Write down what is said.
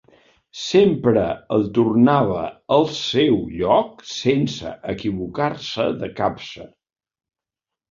Sempre el tornava al seu lloc sense equivocar-se de capça.